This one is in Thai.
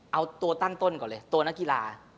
เอาตัวตั้งต้นก่อนเลยตัวนักกีฬา